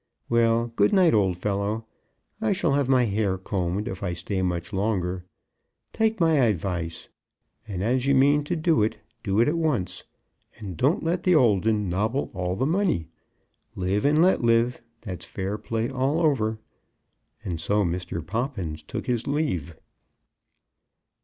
Well, good night, old fellow. I shall have my hair combed if I stay much longer. Take my advice, and as you mean to do it, do it at once. And don't let the old 'un nobble all the money. Live and let live. That's fair play all over." And so Mr. Poppins took his leave.